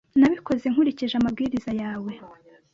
Nabikoze nkurikije amabwiriza yawe.